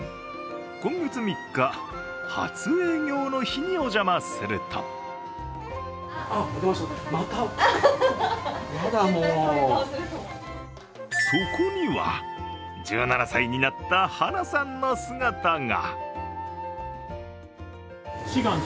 今月３日、初営業の日にお邪魔するとそこには、１７歳になった晴名さんの姿が。